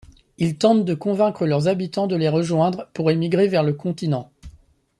Ils tentent de convaincre leurs habitants de les rejoindre, pour émigrer vers le continent.